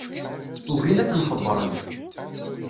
Ugin ad ten-xebbren.